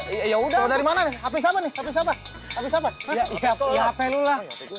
eh eh eh eh eh kenapa ada telepon nih